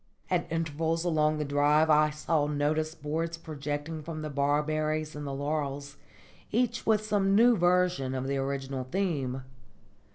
At intervals along the drive I saw notice boards projecting from the barberries and the laurels, each with some new version of the original theme.